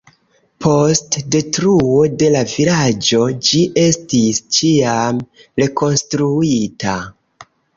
Post detruo de la vilaĝo, ĝi estis ĉiam rekonstruita.